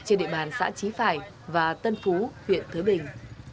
trên địa bàn xã chí phải và tân phú huyện thứ bình